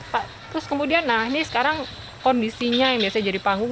pak terus kemudian nah ini sekarang kondisinya yang biasanya jadi panggung